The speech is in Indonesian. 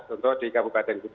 tentu di kabupaten